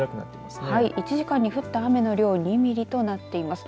１時間に降った雨の量は２ミリとなっています。